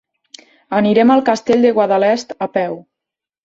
Anirem al Castell de Guadalest a peu.